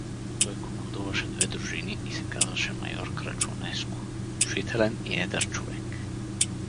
Той командуваше две дружини и се казваше майор Крачунеско, внушителен и едър човек.